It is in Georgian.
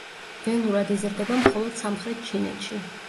ველურად იზრდება მხოლოდ სამხრეთ ჩინეთში.